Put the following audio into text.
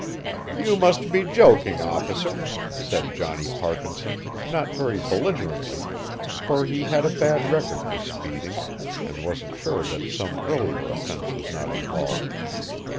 "You must be joking, officer," said Johnny Parkinson, not very belligerently, for he had a bad record for speeding and wasn't sure that some earlier offense was not involved.